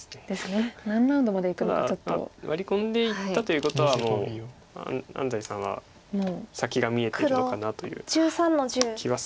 ただワリ込んでいったということはもう安斎さんは先が見えているのかな。